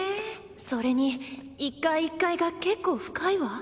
それに１階１階が結構深いわ。